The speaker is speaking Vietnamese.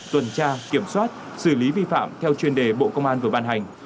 tuần tra kiểm soát xử lý vi phạm theo chuyên đề bộ công an vừa ban hành